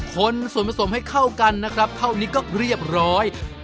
คนส่วนผสมให้เข้ากันนะครับเท่านี้ก็เรียบร้อย